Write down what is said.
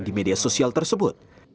di media sosial tersebut